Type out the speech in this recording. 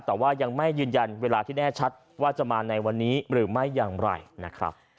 แต่ว่ายังไม่ยืนยันเวลาที่แน่ชัดว่าจะมาในวันนี้หรือไม่อย่างไรนะครับ